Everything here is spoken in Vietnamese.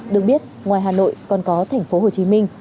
được biết ngoài hà nội còn có thành phố hồ chí minh